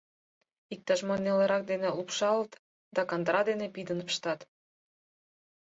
Иктаж-мо нелырак дене лупшалыт да кандыра дене пидын пыштат.